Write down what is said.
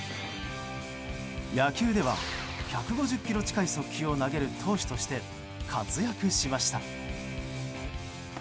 野球では１５０キロ近い速球を投げる投手として活躍しました。